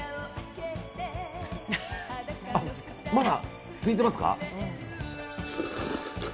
あ、まだ続いてますか？